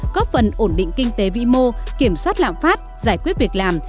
góp phần ổn định kinh tế vĩ mô kiểm soát lạm phát giải quyết việc làm